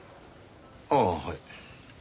ああはい。